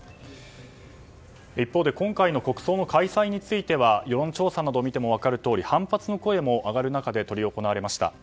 一方で今回の国葬の開催については世論調査などを見ても分かるとおり反発の声も上がる中で執り行われました。